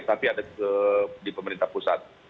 tapi ada di pemerintah pusat